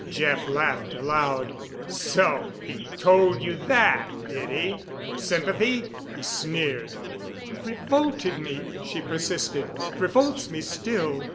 Jeff laughed aloud. "So he told you that—did he? For sympathy?" he sneered. "It revolted me," she persisted. "It revolts me still.